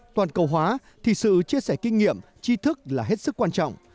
toàn cầu hóa thì sự chia sẻ kinh nghiệm chi thức là hết sức quan trọng